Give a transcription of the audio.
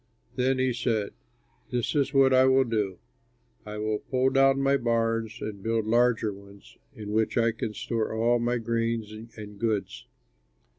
Then he said, 'This is what I will do: I will pull down my barns and build larger ones in which I can store all my grain and goods.